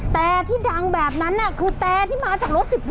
แต่ที่ดังแบบนั้นคือแต่ที่มาจากรถ๑๐ล้อ